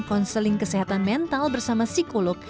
konseling kesehatan mental bersama psikolog